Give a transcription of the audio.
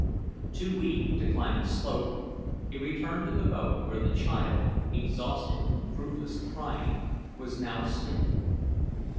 Too weak to climb the slope, he returned to the boat, where the child, exhausted from fruitless crying, was now sleeping.